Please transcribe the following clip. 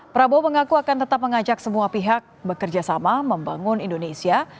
prabowo mengaku akan tetap mengajak semua pihak bekerja sama membangun indonesia